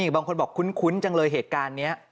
บางคนบอกคุ้นจังเลยเหตุการณ์นี้